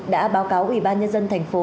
đã báo cáo ủy ban nhân dân thành phố